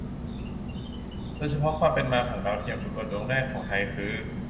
โดยเฉพาะความเป็นมาของดาวเทียมสำรวจดวงแรกของไทยคือ